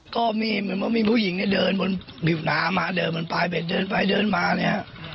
ก็มีเหมือนว่ามีผู้หญิงเนี่ยเดินบนผิวน้ำมาเดินบนปลายเบ็ดเดินไปเดินมาเนี่ย